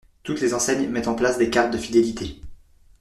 Toutes les enseignes mettent en place des cartes de fidélité.